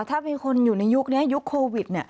ถ้ามีคนอยู่ในยุคนี้ยุคโควิด